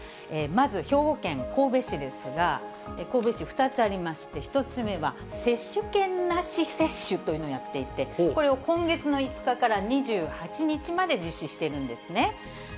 まず、兵庫県神戸市ですが、神戸市、２つありまして、１つ目は接種券なし接種というのをやっていて、これを今月の５日から２８日まで実施しているんですね。